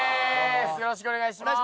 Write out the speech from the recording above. よろしくお願いします